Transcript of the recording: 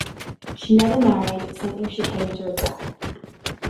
She never married, something she came to regret.